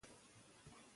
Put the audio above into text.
ایا مشاوران سلا ورکوي؟